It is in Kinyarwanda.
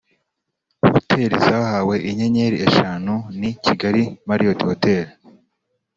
Hoteli zahawe inyenyeri eshanu ni Kigali Marriot Hotel